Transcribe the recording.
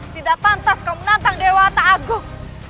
tidak pantas kau menantang dewa ta'agung